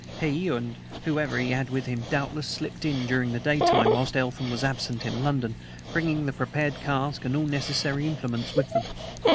He and whomever he had with him doubtless slipped in during the daytime whilst Eltham was absent in London bringing the prepared cask and all necessary implements with them.